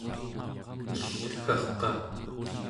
mellgarqa